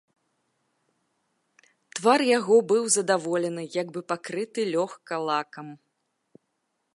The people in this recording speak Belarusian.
Твар яго быў задаволены, як бы пакрыты лёгка лакам.